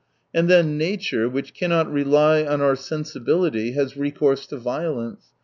And then nature, which cannot rely on our sensibility, has recourse to violence.